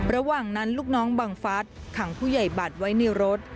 ระหว่างนั้นลูกน้องบังฟัสขังผู้ใหญ่บัตรไว้ในรถ